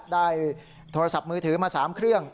โทรศัพท์มือถือมา๓เครื่อง